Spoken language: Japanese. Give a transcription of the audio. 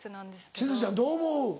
しずちゃんどう思う？